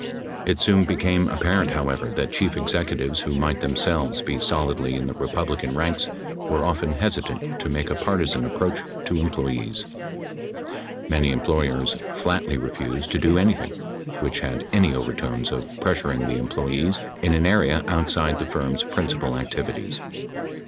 It soon became apparent, however, that chief executives who might themselves be solidly in the Republican ranks were often hesitant to make a partisan approach to employees. Many employers flatly refused to do anything which had any overtones of pressuring the employees in an area outside the firm's principal activities.